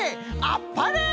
あっぱれ！